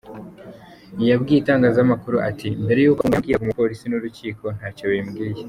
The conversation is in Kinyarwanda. Yabwiye itangazamakuru ati “Mbere y’uko afungwa yambwiraga ko polisi n’urukiko ntacyo bimubwiye”.